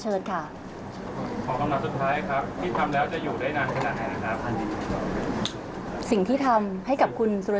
ให้กับคุณพี่สุรชัยนะครับ